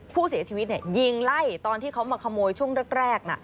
ผู้เสียชีวิตยิงไล่ตอนที่เขามาขโมยช่วงแรก